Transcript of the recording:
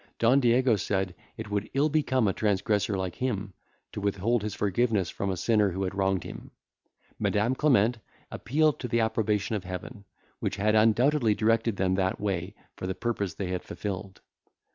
Don Diego said, it would ill become a transgressor like him to withhold his forgiveness from a sinner who had wronged him. Madam Clement appealed to the approbation of Heaven, which had undoubtedly directed them that way, for the purpose they had fulfilled.